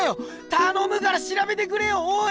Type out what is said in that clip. たのむから調べてくれよおい。